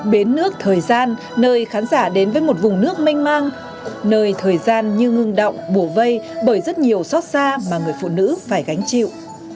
bến nước thời gian nơi khán giả đến với một vùng nước manh mang nơi thời gian như ngưng động bổ vây bởi rất nhiều xót xa mà người phụ nữ phải gánh chịu